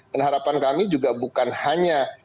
dan harapan kami juga bukan hanya